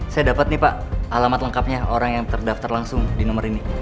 saya dapat nih pak alamat lengkapnya orang yang terdaftar langsung di nomor ini